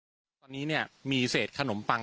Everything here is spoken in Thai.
และก็คือว่าถึงแม้วันนี้จะพบรอยเท้าเสียแป้งจริงไหม